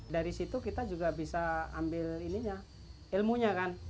dari situ kita juga bisa ambil ilmunya kan